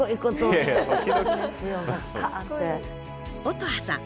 乙羽さん